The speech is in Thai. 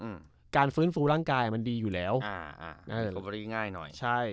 อืมการฟื้นฟูร่างกายมันดีอยู่แล้วอ่าอ่าโรเบอรี่ง่ายหน่อยใช่